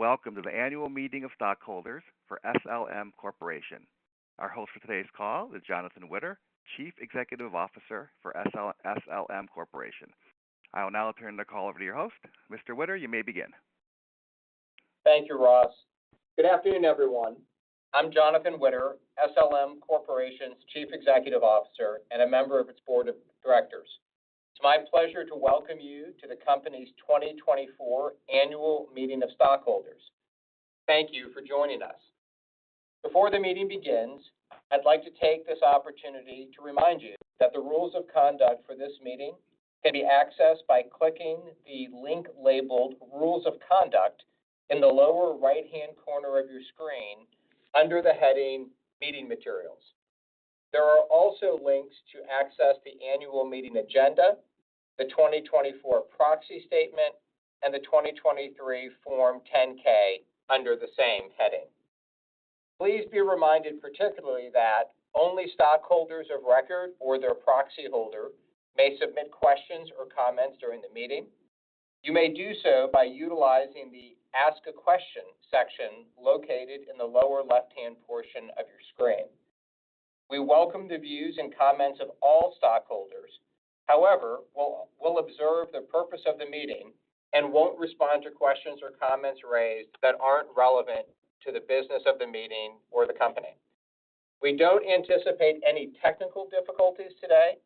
Welcome to the annual meeting of stockholders for SLM Corporation. Our host for today's call is Jonathan Witter, Chief Executive Officer for SL, SLM Corporation. I will now turn the call over to your host. Mr. Witter, you may begin. Thank you, Ross. Good afternoon, everyone. I'm Jonathan Witter, SLM Corporation's Chief Executive Officer and a member of its board of directors. It's my pleasure to welcome you to the company's 2024 Annual Meeting of Stockholders. Thank you for joining us. Before the meeting begins, I'd like to take this opportunity to remind you that the rules of conduct for this meeting can be accessed by clicking the link labeled Rules of Conduct in the lower right-hand corner of your screen under the heading Meeting Materials. There are also links to access the annual meeting agenda, the 2024 proxy statement, and the 2023 Form 10-K under the same heading. Please be reminded, particularly that only stockholders of record or their proxy holder may submit questions or comments during the meeting. You may do so by utilizing the Ask a Question section located in the lower left-hand portion of your screen. We welcome the views and comments of all stockholders. However, we'll observe the purpose of the meeting and won't respond to questions or comments raised that aren't relevant to the business of the meeting or the company. We don't anticipate any technical difficulties today.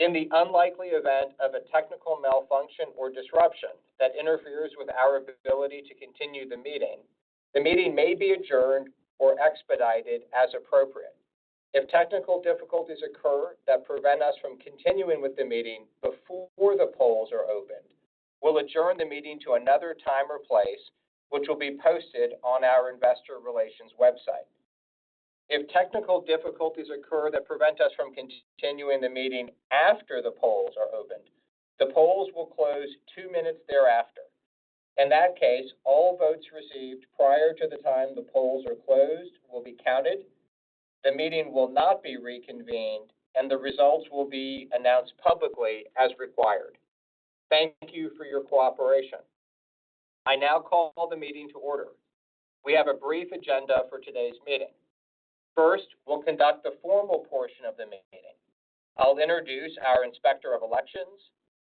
In the unlikely event of a technical malfunction or disruption that interferes with our ability to continue the meeting, the meeting may be adjourned or expedited as appropriate. If technical difficulties occur that prevent us from continuing with the meeting before the polls are opened, we'll adjourn the meeting to another time or place, which will be posted on our investor relations website. If technical difficulties occur that prevent us from continuing the meeting after the polls are opened, the polls will close 2 minutes thereafter. In that case, all votes received prior to the time the polls are closed will be counted. The meeting will not be reconvened, and the results will be announced publicly as required. Thank you for your cooperation. I now call the meeting to order. We have a brief agenda for today's meeting. First, we'll conduct the formal portion of the meeting. I'll introduce our Inspector of Elections,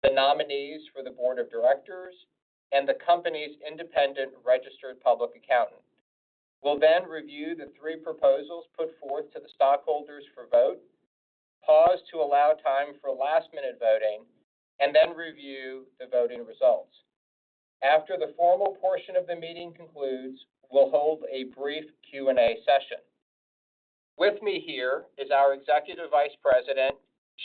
the nominees for the Board of Directors, and the company's independent registered public accountant. We'll then review the 3 proposals put forth to the stockholders for vote, pause to allow time for last-minute voting, and then review the voting results. After the formal portion of the meeting concludes, we'll hold a brief Q&A session. With me here is our Executive Vice President,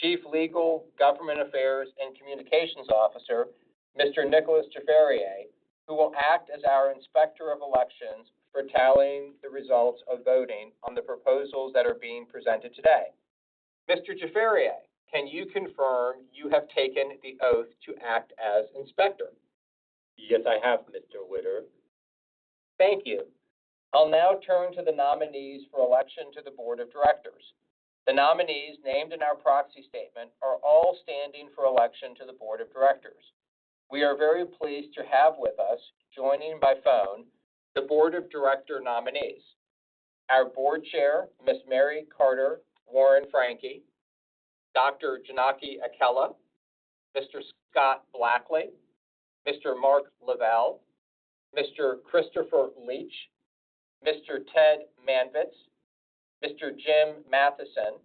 Chief Legal, Government Affairs, and Communications Officer, Mr. Nicolas Jafarieh, who will act as our Inspector of Elections for tallying the results of voting on the proposals that are being presented today. Mr. Jafarieh, can you confirm you have taken the oath to act as inspector? Yes, I have, Mr. Witter. Thank you. I'll now turn to the nominees for election to the board of directors. The nominees named in our proxy statement are all standing for election to the board of directors. We are very pleased to have with us, joining by phone the board of director nominees, our board chair, Ms. Mary Carter Warren Franke, Dr. Janaki Akella, Mr. Scott Blackley, Mr. Mark Lavelle, Mr. Christopher Leach, Mr. Ted Manvitz, Mr. Jim Matheson,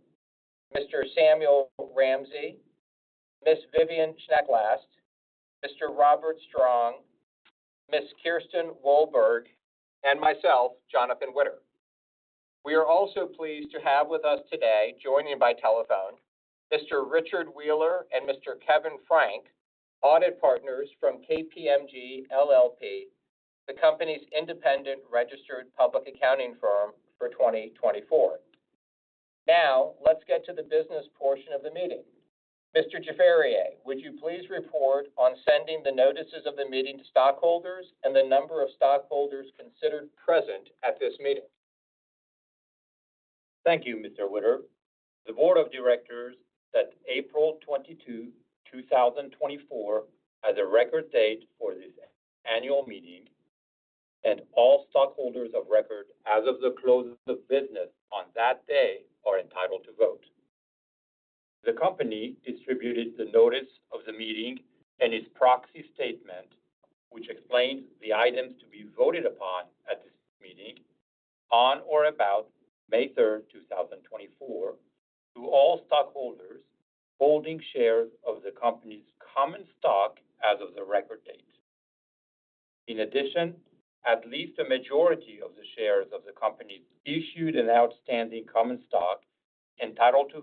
Mr. Samuel Ramsey, Ms. Vivian Schneck-Last, Mr. Robert Strong, Ms. Kirsten Wolberg, and myself, Jonathan Witter. We are also pleased to have with us today, joining by telephone, Mr. Richard Wheeler and Mr. Kevin Frank, audit partners from KPMG LLP, the company's independent registered public accounting firm for 2024. Now, let's get to the business portion of the meeting. Mr. Jafarieh, would you please report on sending the notices of the meeting to stockholders and the number of stockholders considered present at this meeting? Thank you, Mr. Witter. The Board of Directors set April 22, 2024, as a record date for this annual meeting, and all stockholders of record as of the close of business on that day are entitled to vote. The company distributed the notice of the meeting and its Proxy Statement, which explains the items to be voted upon at this meeting on or about May 3, 2024, to all stockholders holding shares of the company's common stock as of the record date. In addition, at least a majority of the shares of the company's issued and outstanding common stock entitled to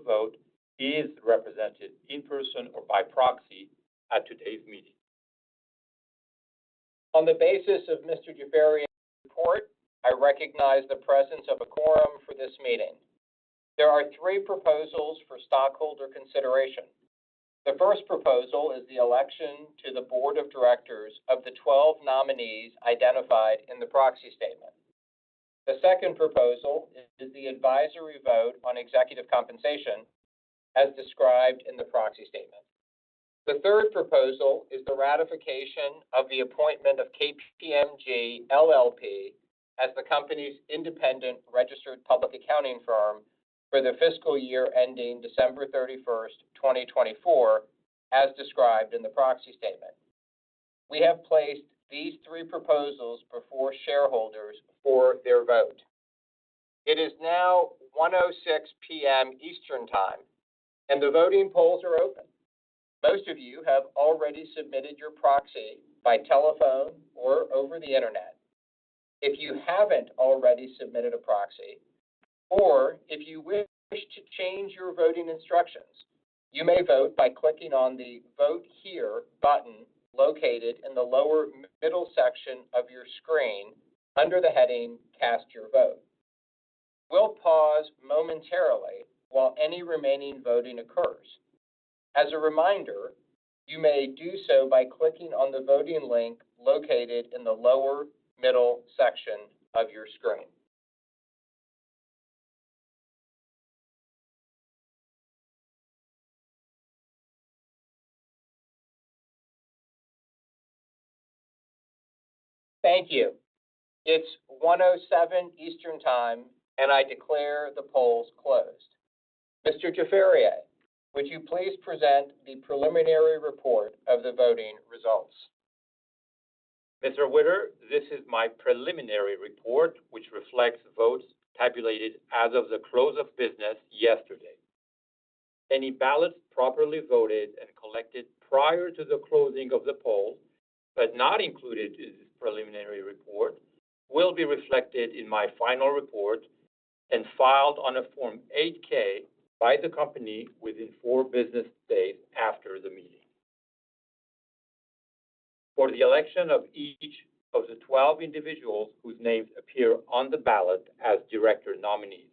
vote is represented in person or by proxy at today's meeting. On the basis of Mr. Jafarieh's report, I recognize the presence of a quorum for this meeting. There are three proposals for stockholder consideration. The first proposal is the election to the board of directors of the 12 nominees identified in the proxy statement.... The second proposal is the advisory vote on executive compensation, as described in the proxy statement. The third proposal is the ratification of the appointment of KPMG LLP as the company's independent registered public accounting firm for the fiscal year ending December 31, 2024, as described in the proxy statement. We have placed these three proposals before shareholders for their vote. It is now 1:06 P.M. Eastern Time, and the voting polls are open. Most of you have already submitted your proxy by telephone or over the internet. If you haven't already submitted a proxy, or if you wish to change your voting instructions, you may vote by clicking on the Vote Here button located in the lower middle section of your screen under the heading Cast Your Vote. We'll pause momentarily while any remaining voting occurs. As a reminder, you may do so by clicking on the voting link located in the lower middle section of your screen. Thank you. It's 1:07 Eastern Time, and I declare the polls closed. Mr. Jafarieh, would you please present the preliminary report of the voting results? Mr. Witter, this is my preliminary report, which reflects votes tabulated as of the close of business yesterday. Any ballots properly voted and collected prior to the closing of the polls, but not included in this preliminary report, will be reflected in my final report and filed on a Form 8-K by the company within 4 business days after the meeting. For the election of each of the 12 individuals whose names appear on the ballot as director nominees,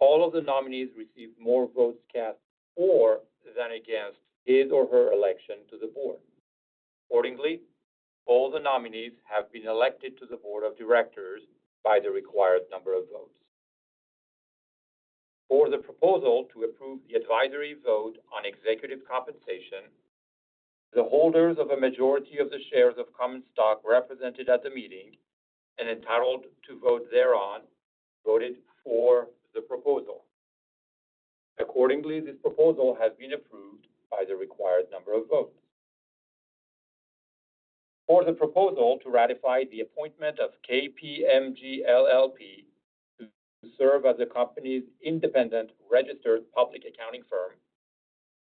all of the nominees received more votes cast for than against his or her election to the board. Accordingly, all the nominees have been elected to the board of directors by the required number of votes. For the proposal to approve the advisory vote on executive compensation, the holders of a majority of the shares of common stock represented at the meeting and entitled to vote thereon, voted for the proposal. Accordingly, this proposal has been approved by the required number of votes. For the proposal to ratify the appointment of KPMG LLP to serve as the company's independent registered public accounting firm,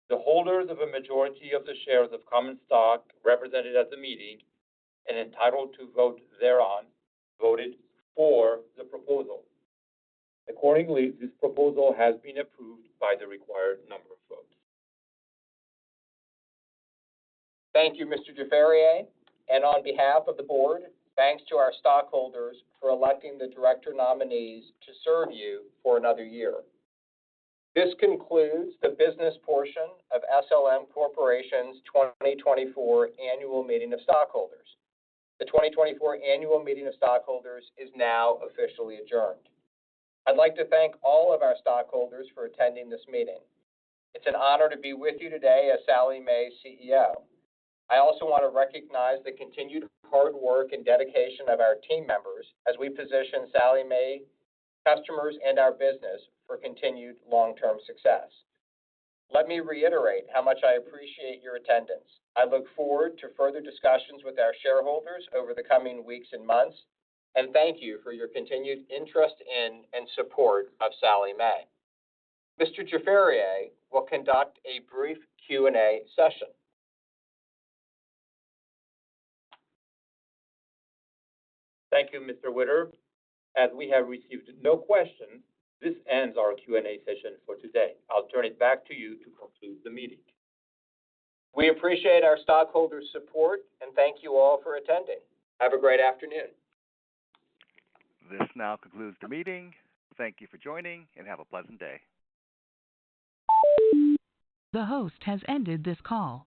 the holders of a majority of the shares of common stock represented at the meeting and entitled to vote thereon, voted for the proposal. Accordingly, this proposal has been approved by the required number of votes. Thank you, Mr. Jafarieh, and on behalf of the board, thanks to our stockholders for electing the director nominees to serve you for another year. This concludes the business portion of SLM Corporation's 2024 Annual Meeting of Stockholders. The 2024 Annual Meeting of Stockholders is now officially adjourned. I'd like to thank all of our stockholders for attending this meeting. It's an honor to be with you today as Sallie Mae's CEO. I also want to recognize the continued hard work and dedication of our team members as we position Sallie Mae customers and our business for continued long-term success. Let me reiterate how much I appreciate your attendance. I look forward to further discussions with our shareholders over the coming weeks and months, and thank you for your continued interest in and support of Sallie Mae. Mr. Jafarieh will conduct a brief Q&A session. Thank you, Mr. Witter. As we have received no questions, this ends our Q&A session for today. I'll turn it back to you to conclude the meeting. We appreciate our stockholders' support, and thank you all for attending. Have a great afternoon. This now concludes the meeting. Thank you for joining, and have a pleasant day. The host has ended this call.